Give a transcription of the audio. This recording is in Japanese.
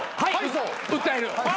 訴える！